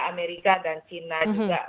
amerika dan china juga